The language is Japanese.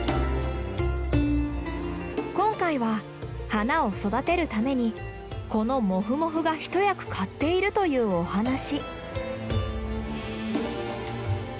今回は花を育てるためにこのもふもふが一役買っているというお話。